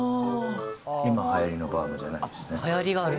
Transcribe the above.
今はやりのバウムじゃないですね。